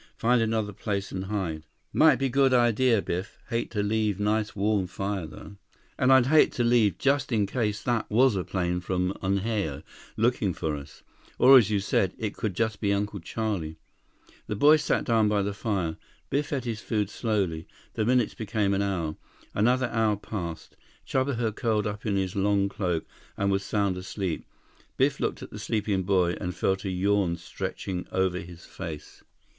Find another place and hide?" "Might be good idea, Biff. Hate to leave nice warm fire, though." 116 "And I'd hate to leave just in case that was a plane from Unhao, looking for us. Or, as you said, it just could be Uncle Charlie." The boys sat down by the fire. Biff ate his food slowly. The minutes became an hour. Another hour passed. Chuba had curled up in his long cloak, and was sound asleep. Biff looked at the sleeping boy, and felt a yawn stretching over his face.